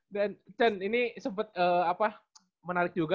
dan chan ini sempet menarik juga